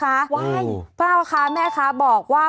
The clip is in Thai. ว้ายพ่อค้าแม่ค้าบอกว่า